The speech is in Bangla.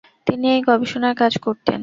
তিনি এই গবেষণার কাজ করতেন।